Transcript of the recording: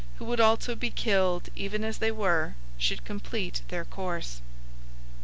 "} who would also be killed even as they were, should complete their course.